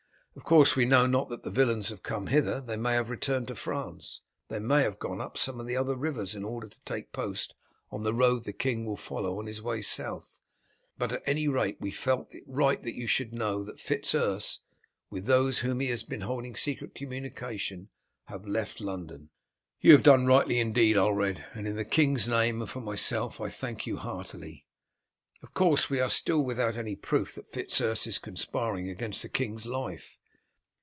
Of course, we know not that the villains have come hither; they may have returned to France, they may have gone up some of the other rivers in order to take post on the road the king will follow on his way south. But at any rate we felt it right that you should know that Fitz Urse, with those with whom he has been holding secret communication, have left London." "You have done rightly indeed, Ulred, and in the king's name and for myself I thank you heartily. Of course, we are still without any proof that Fitz Urse is conspiring against the king's life.